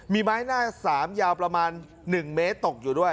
มีไม้หน้า๓ยาวประมาณ๑เมตรตกอยู่ด้วย